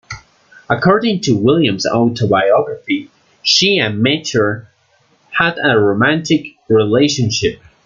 According to William's autobiography, she and Mature had a romantic relationship.